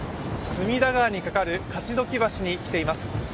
隅田川にかかる勝鬨橋に来ています。